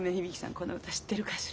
この歌知ってるかしら。